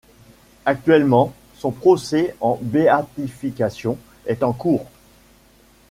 Actuellement, son procès en béatification est en cours.